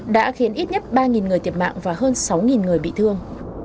đã khiến ít nhất ba người thiệt mạng và hơn sáu người bị thương